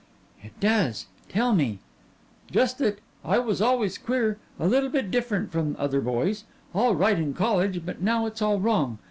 "It does, tell me." "Just that. I was always queer little bit different from other boys. All right in college, but now it's all wrong.